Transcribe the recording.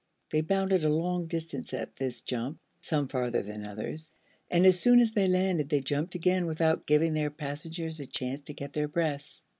They bounded a long distance at this jump some farther than others and as soon as they landed they jumped again, without giving their passengers a chance to get their breaths.